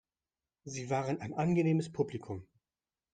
Sie waren ein angenehmes Publikum.